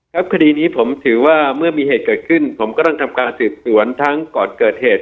คดีนี้ผมถือว่าเมื่อมีเหตุเกิดขึ้นผมก็ต้องทำการสืบสวนทั้งก่อนเกิดเหตุ